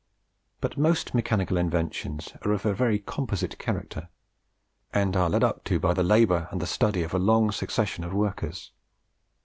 But most mechanical inventions are of a very composite character, and are led up to by the labour and the study of a long succession of workers.